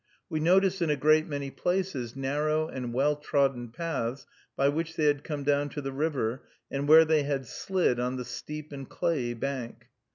We noticed in a great many places narrow and well trodden paths by which they had come down to the river, and where they had slid on the steep and clayey bank.